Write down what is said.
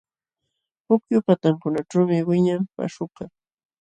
Pukyu patankunaćhuumi wiñan paśhukaq.